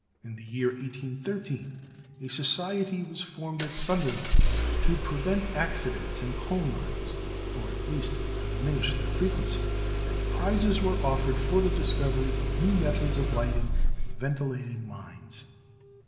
In the year 1813, a society was formed at Sunderland to prevent accidents in coal mines or at least to diminish their frequency, and prizes were offered for the discovery of new methods of lighting and ventilating mines.